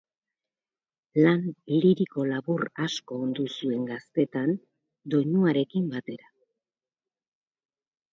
Lan liriko labur asko ondu zuen gaztetan, doinuarekin batera.